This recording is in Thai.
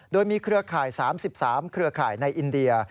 โดยมีเครือข่าย๓๓เครือข่ายในอินเดีย